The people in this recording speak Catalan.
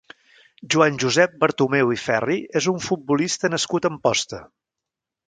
Joan Josep Bertomeu i Ferri és un futbolista nascut a Amposta.